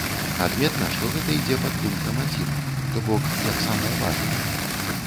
Адметна, што гэта ідзе пад пунктам адзін, то бок, як самае важнае.